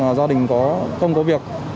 gia đình không có việc